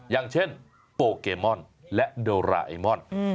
อย่างเช่นโปเกมอนและโดราเอมอน